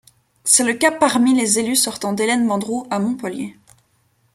C’est le cas parmi les élues sortantes d'Hélène Mandroux à Montpellier.